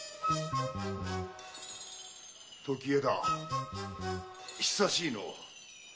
時枝久しいのぅ。